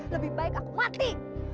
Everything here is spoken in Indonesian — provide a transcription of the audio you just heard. lebih baik aku mati